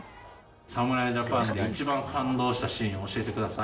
侍ジャパンで一番感動したシーン、教えてください。